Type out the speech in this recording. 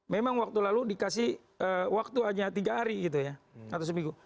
memang waktu lalu dikasih waktu hanya tiga hari gitu ya atau seminggu